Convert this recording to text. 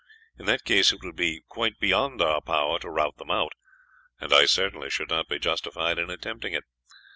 In that case it would be quite beyond our power to rout them out, and I certainly should not be justified in attempting it.